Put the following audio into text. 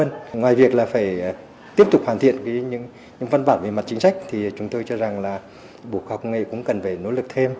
ngoài việc là phải tiếp tục hoàn thiện những văn bản về mặt chính sách thì chúng tôi cho rằng là bộ khoa học nghề cũng cần phải nỗ lực thêm